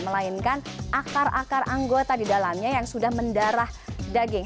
melainkan akar akar anggota di dalamnya yang sudah mendarah daging